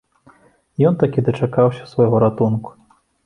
Ён такі дачакаўся свайго ратунку.